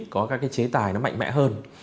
có các chế tài mạnh mẽ hơn